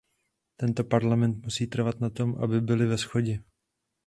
Tento Parlament musí trvat na tom, aby byly ve shodě.